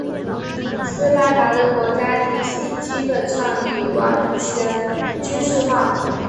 斯巴达的国家体系基本上已完全军事化。